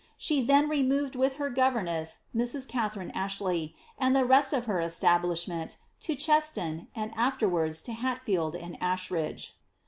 She then remoTed with her govemesB^ Mrs. Katharine Ashley, and the rest of her e<tabli8hment» to Cheston, and afterwards to Hatfield and Ashridge.'